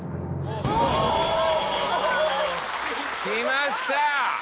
きました。